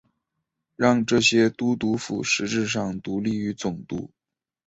让这些都督府实质上独立于总督。